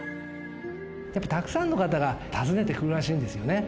やっぱりたくさんの方が訪ねてくるらしいんですよね。